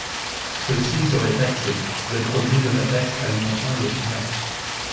Ceux-ci seraient taxés, le produit de la taxe alimentant le FNAP.